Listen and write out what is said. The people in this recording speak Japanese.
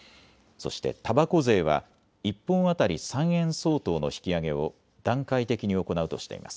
そして、たばこ税は１本当たり３円相当の引き上げを段階的に行うとしています。